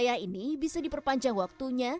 yang psbb berlangsung